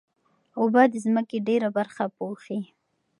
اوبه د ځمکې ډېره برخه پوښي.